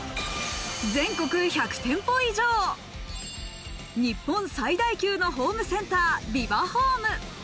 全国１００店舗以上、日本最大級のホームセンター、ビバホーム。